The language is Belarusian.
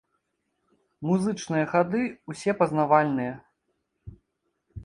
Музычныя хады ўсе пазнавальныя.